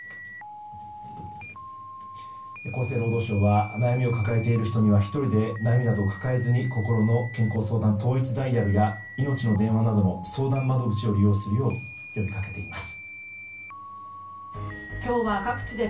厚生労働省は悩みを抱えている人には１人で悩みなどを抱えずにこころの健康相談統一ダイヤルやいのちの電話などの相談窓口を利用するよう呼びかけています。